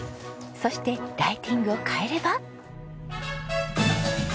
そしてライティングを変えれば。